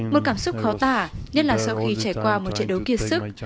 một cảm xúc khó tả nhất là sau khi trải qua một trận đấu kiên sức